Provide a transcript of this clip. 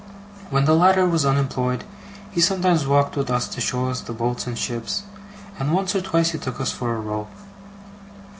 When the latter was unemployed, he sometimes walked with us to show us the boats and ships, and once or twice he took us for a row.